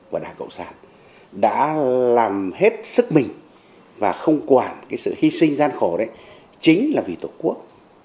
của đảng cộng sản đã làm hết sức mình và không quản cái sự hy sinh gian khổ đấy chính là vì tổ quốc